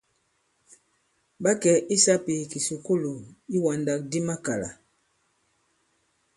Ɓa kɛ̀ i sāpì ì kìsukulù iwàndàkdi makàlà.